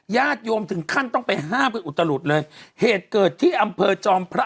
ญาติโยมถึงขั้นต้องไปห้ามกันอุตลุดเลยเหตุเกิดที่อำเภอจอมพระ